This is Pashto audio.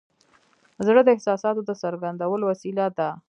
زړه د احساساتو د څرګندولو وسیله ده.